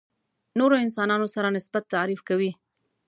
نورو انسانانو سره نسبت تعریف کوي.